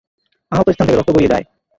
আহত স্থান থেকে রক্ত গড়িয়ে যায়।